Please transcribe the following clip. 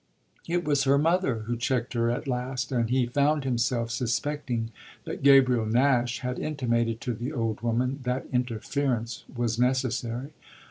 It was her mother who checked her at last, and he found himself suspecting that Gabriel Nash had intimated to the old woman that interference was necessary.